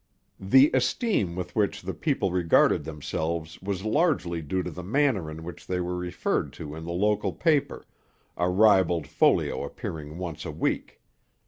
The esteem with which the people regarded themselves was largely due to the manner in which they were referred to in the local paper, a ribald folio appearing once a week.